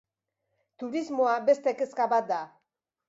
Turismoa beste kezka bat da.